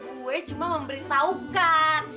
gue cuma mau memberitahukan